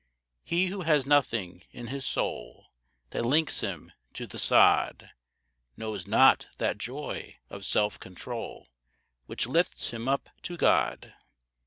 He who has nothing in his soul That links him to the sod, Knows not that joy of self control Which lifts him up to God.